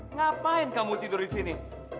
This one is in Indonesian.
ngapain kamu tidur disini